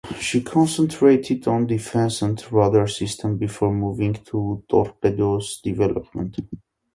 She concentrated on defence and radar systems before moving to torpedoes development.